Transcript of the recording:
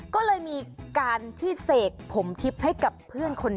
ก็เลยมีการที่เศกผมทิป